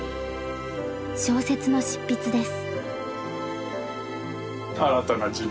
小説の執筆です。